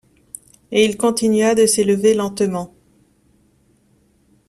Et il continua de s’élever lentement